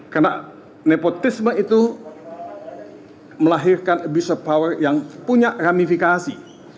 karena nepotisme itu melahirkan abuse of power yang punya ramifikasi